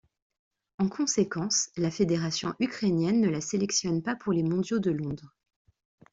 En conséquences, la Fédération Ukrainienne ne la sélectionne pas pour les mondiaux de Londres.